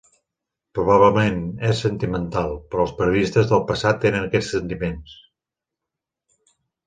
Probablement es sentimental, però els periodistes del passat tenen aquests sentiments.